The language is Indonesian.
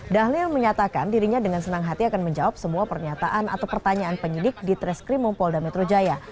dahlil menyatakan dirinya dengan senang hati akan menjawab semua pernyataan atau pertanyaan penyidik di treskrimum polda metro jaya